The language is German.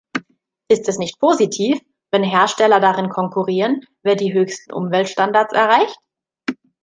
Ist es nicht positiv, wenn Hersteller darin konkurrieren, wer die höchsten Umweltstandards erreicht?